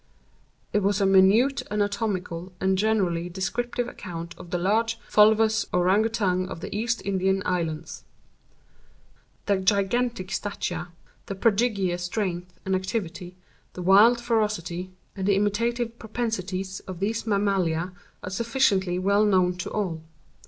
It was a minute anatomical and generally descriptive account of the large fulvous Ourang Outang of the East Indian Islands. The gigantic stature, the prodigious strength and activity, the wild ferocity, and the imitative propensities of these mammalia are sufficiently well known to all.